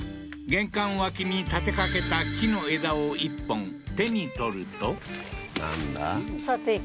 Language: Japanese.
玄関脇に立てかけた木の枝を１本手に取るとなんだ？